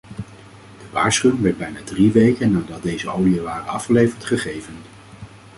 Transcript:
De waarschuwing werd bijna drie weken nadat deze oliën waren afgeleverd gegeven.